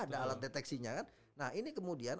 ada alat deteksinya kan nah ini kemudian